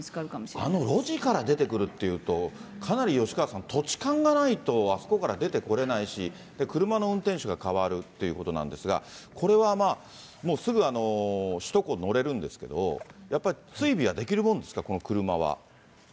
あの路地から出てくるというと、かなり吉川さん、土地勘がないと、あそこから出てこれないし、車の運転手が変わるということなんですが、これはもうすぐ、首都高に乗れるんですけど、やっぱり追尾はできるもんなんですか、この車は。